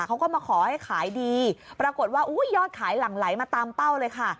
เขาก็มาขอให้ขายดีปรากฏว่าอุ้ยยอดขายหลั่งไหลมาตามเป้าเลยค่ะ